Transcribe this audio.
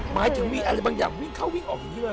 หมายถึงมีอะไรบางอย่างวิ่งเข้าวิ่งออกอย่างนี้เลย